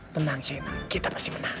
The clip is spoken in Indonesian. tenang china kita pasti menang